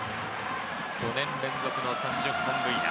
４年連続の３０本塁打。